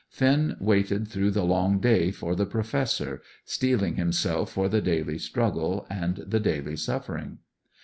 Finn waited through the long day for the Professor, steeling himself for the daily struggle and the daily suffering.